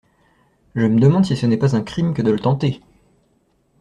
Je me demande si ce n'est pas un crime que de le tenter!